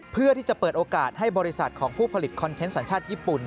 เพื่อที่จะเปิดโอกาสให้บริษัทของผู้ผลิตคอนเทนต์สัญชาติญี่ปุ่น